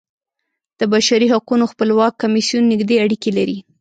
د بشري حقونو خپلواک کمیسیون نږدې اړیکې لري.